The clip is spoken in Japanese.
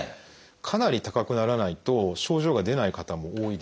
かなり高くならないと症状が出ない方も多いです。